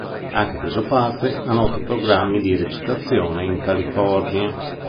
Ha anche preso parte a noti programmi di recitazione in California.